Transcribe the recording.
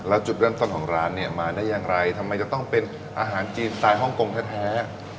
แล้วจุดเริ่มต้นของร้านเนี่ยมาได้อย่างไรทำไมจะต้องเป็นอาหารจีนสไตล์ฮ่องกงแท้